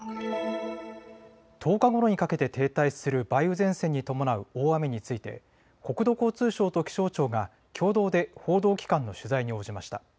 １０日ごろにかけて停滞する梅雨前線に伴う大雨について国土交通省と気象庁が共同で報道機関の取材に応じました。